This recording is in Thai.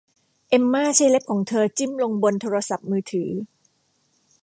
เอ็มม่าใช้เล็บของเธอจิ้มลงบนโทรศัพท์มือถือ